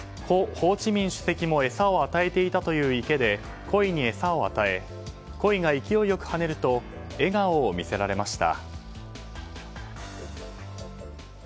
ホーチミン主席も餌を与えていたという池でコイに餌を与えコイが勢いよく跳ねると笑顔を見せられました。